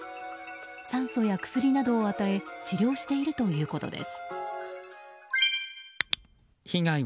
酸素や薬などを与え治療しているということです。